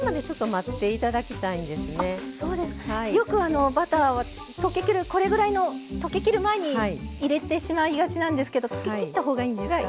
あそうですか。よくバターは溶けきるこれぐらいの溶けきる前に入れてしまいがちなんですけど溶けきった方がいいんですか？